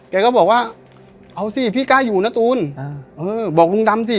แกก็บอกว่าเอาสิพี่กล้าอยู่นะตูนอ่าเออบอกละมสิ